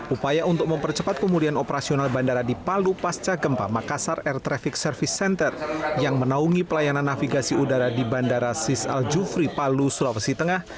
upaya untuk mempercepat pemulihan operasional bandara di palu pasca gempa makassar air traffic service center yang menaungi pelayanan navigasi udara di bandara sis al jufri palu sulawesi tengah